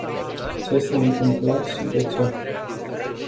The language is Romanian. Ce s-a întâmplat și de ce?